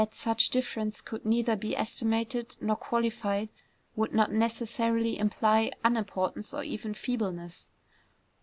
That such difference could neither be estimated nor qualified would not necessarily imply unimportance or even feebleness.